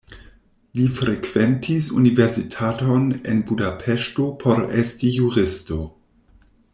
Li frekventis universitaton en Budapeŝto por esti juristo.